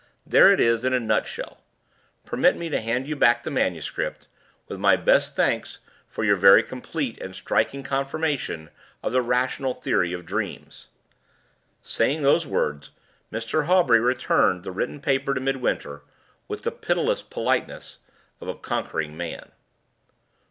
There it is in a nutshell! Permit me to hand you back the manuscript, with my best thanks for your very complete and striking confirmation of the rational theory of dreams." Saying those words, Mr. Hawbury returned the written paper to Midwinter, with the pitiless politeness of a conquering man.